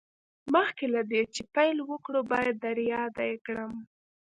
مخکې له دې چې پیل وکړو باید در یاده کړم